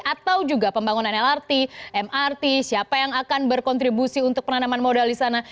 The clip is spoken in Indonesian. atau juga pembangunan lrt mrt siapa yang akan berkontribusi untuk penanaman modal di sana